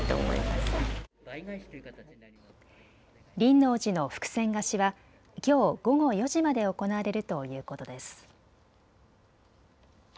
輪王寺の福銭貸しは、きょう午後４時まで行われるということです。